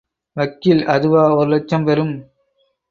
வக்கீல் அதுவா ஒரு லட்சம் பெறும்?